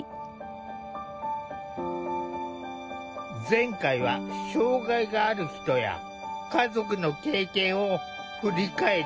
前回は障害がある人や家族の経験を振り返った。